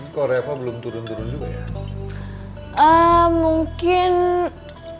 kok reva belum turun turun juga ya